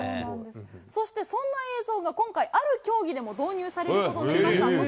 そしてそんな映像が今回、ある競技でも導入されることになりました。